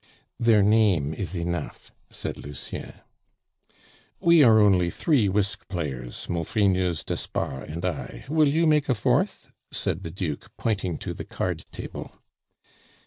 "Their name is enough," said Lucien. "We are only three wisk players Maufrigneuse, d'Espard, and I will you make a fourth?" said the Duke, pointing to the card table.